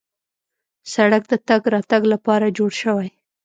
سړک د تګ راتګ لپاره جوړ شوی.